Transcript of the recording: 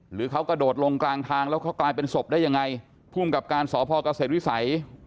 หรือเขากระโดดลงกลางทางแล้วเขากลายเป็นศพได้ยังไงภูมิกับการสพเกษตรวิสัย